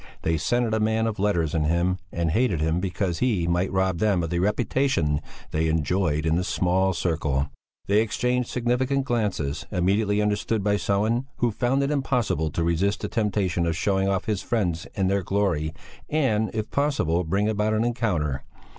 They scented a man of letters in him, and hated him because he might rob them of the reputation they enjoyed in the small circle. They exchanged significant glances, immediately understood by Sellén, who found it impossible to resist the temptation of showing off his friends in their glory, and, if possible, bring about an encounter.